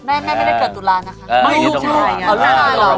แม่ไม่ได้เกิดตุลานะคะ